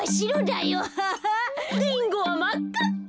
リンゴはまっかっか。